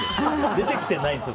出てきてないんです。